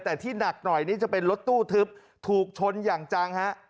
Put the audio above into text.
แต่ที่หนักหน่อยนี่จะเป็นรถตู้ทึบถูกชนอย่างจังฮะ